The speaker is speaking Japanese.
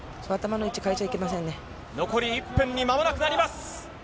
残り１分にまもなくなります。